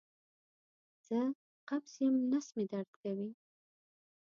زه قبض یم نس مې درد کوي